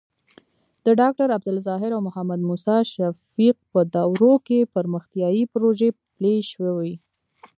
د ډاکټر عبدالظاهر او محمد موسي شفیق په دورو کې پرمختیايي پروژې پلې شوې.